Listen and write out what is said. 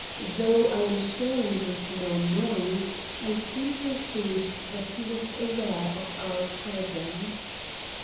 Though I am sure we made no noise, I soon perceived that he was aware of our presence.